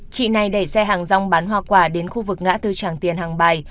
chị này đẩy xe hàng rong bán hoa quả đến khu vực ngã tư tràng tiền hàng bài